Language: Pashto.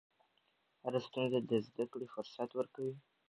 هره ستونزه د زدهکړې فرصت ورکوي.